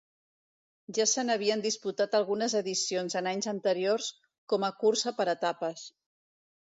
Ja se n'havien disputat algunes edicions en anys anteriors com a cursa per etapes.